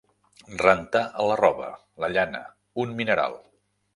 Rentar la roba, la llana, un mineral.